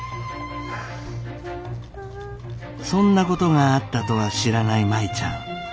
そんなことがあったとは知らない舞ちゃん。